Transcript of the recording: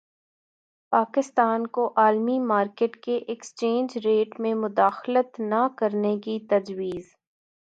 پاکستان کو عالمی مارکیٹ کے ایکسچینج ریٹ میں مداخلت نہ کرنے کی تجویز